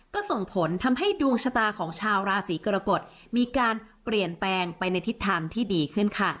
ก็ส่งผลทำให้ดวงชะตาของชาวราศีกรกฎมีการเปลี่ยนแปลงไปในทิศทางที่ดีขึ้นค่ะ